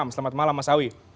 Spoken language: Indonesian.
selamat malam mas awi